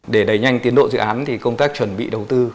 để đẩy nhanh tiến độ dự án thì công tác chuẩn bị đầu tư